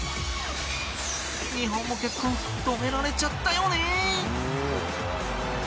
日本も結構、止められちゃったよね。